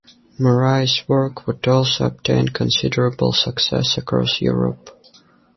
Moraes' work would also obtain considerable success across Europe.